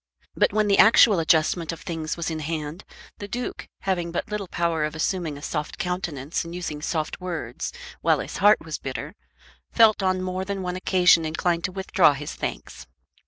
But when the actual adjustment of things was in hand, the Duke, having but little power of assuming a soft countenance and using soft words while his heart was bitter, felt on more than one occasion inclined to withdraw his thanks.